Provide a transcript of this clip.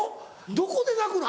どこで泣くの？